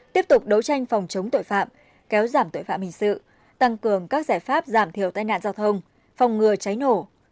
tiếp tục đấu tranh phòng chống tội phạm kéo giảm tội phạm hình sự tăng cường các giải pháp giảm thiểu tai nạn giao thông phòng ngừa cháy nổ